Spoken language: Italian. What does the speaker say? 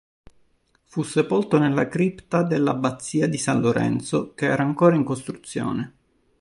Fu sepolto nella cripta dell'abbazia di San Lorenzo che era ancora in costruzione.